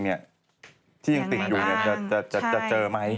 ที่ยังติดอยู่จะเจอไหม